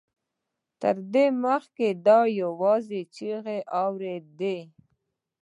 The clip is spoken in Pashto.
تر دې مخکې ده يوازې چيغې اورېدې.